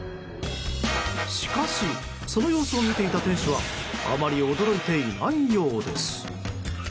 しかしその様子を見ていた店主はあまり驚いていないようです。